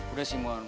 udah sih mondi